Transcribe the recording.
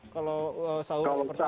kalau sahur seperti ini